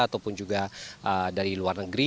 ataupun juga dari luar negeri